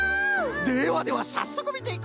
ではではさっそくみていこう！